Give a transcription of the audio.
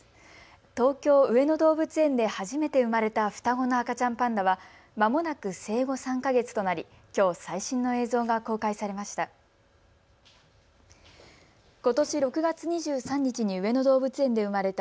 東京上野動物園で初めて生まれた双子の赤ちゃんパンダはまもなく生後３か月となりきょう最新の映像が公開されました。